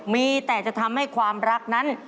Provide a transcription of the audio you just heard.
มีแต่จะทำให้ความรักนั้น